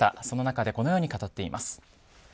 その中でこのように語っています。